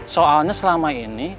soalnya selama ini